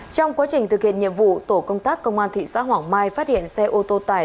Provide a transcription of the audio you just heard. trong quá trình thực hiện nhiệm vụ tổ công tác công an thị xã hoàng mai phát hiện xe ô tô tải